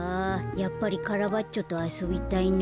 やっぱりカラバッチョとあそびたいな。